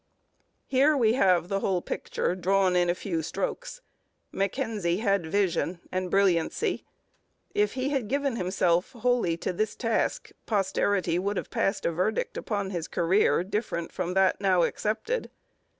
Here we have the whole picture drawn in a few strokes. Mackenzie had vision and brilliancy. If he had given himself wholly to this task, posterity would have passed a verdict upon his career different from that now accepted.